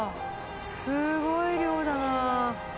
すごい量だな。